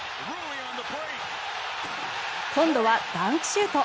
今度はダンクシュート。